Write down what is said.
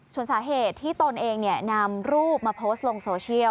ส่วนสาเหตุที่ตนเองนำรูปมาโพสต์ลงโซเชียล